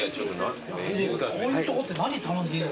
こういうとこって何頼んでいいのか。